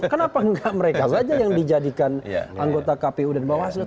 kenapa enggak mereka saja yang dijadikan anggota kpu dan bawaslu